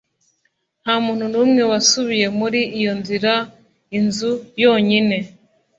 Nta muntu numwe wasubiye muri iyo nzira Inzu yonyine